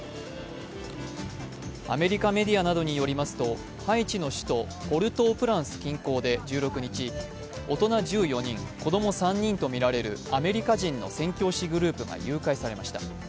アメリカメディアなどによりますと、ハイチの首都ポルトープランスで１６日、大人１４人、子供３人とみられるアメリカ人の宣教師グループが誘拐されました。